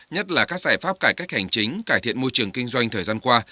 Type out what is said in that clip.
nhất là các giải pháp cải cách hành chính cải thiện môi trường kinh doanh thời gian qua